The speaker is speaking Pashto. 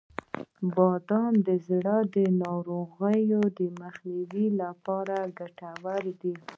• بادام د زړه د ناروغیو د مخنیوي لپاره ګټور دي.